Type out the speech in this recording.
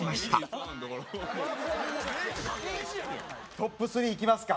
トップ３いきますか。